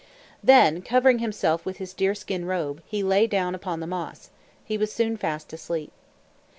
Then, covering himself with his deerskin robe, he lay down upon the moss. He was soon fast asleep.